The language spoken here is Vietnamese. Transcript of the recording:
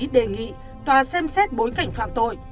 đề nghị tòa xem xét bối cảnh phạm tội